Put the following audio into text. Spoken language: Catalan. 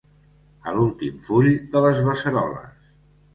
A l'últim full de les beceroles.